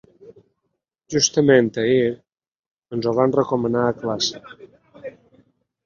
Justament ahir ens ho van recomanar a classe.